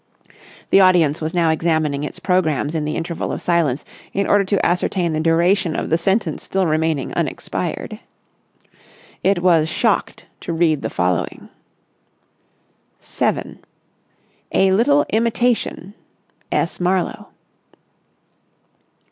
The audience was now examining its programmes in the interval of silence in order to ascertain the duration of the sentence still remaining unexpired. It was shocked to read the following:— 7. A Little Imitation......S. Marlowe.